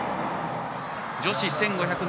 女子１５００ｍ